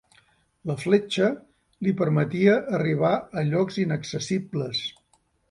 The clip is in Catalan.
La fletxa li permetia arribar a llocs inaccessibles.